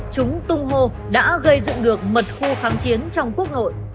chúng tung hô đã gây dựng được mật khu kháng chiến trong quốc nội